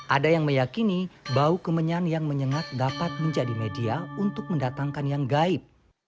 ada yang meyakini bau kemenyan yang menyengat dapat menjadi media untuk mendatangkan yang gaib